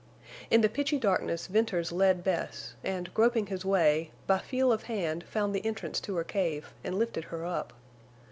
In the pitchy darkness Venters led Bess, and, groping his way, by feel of hand found the entrance to her cave and lifted her up.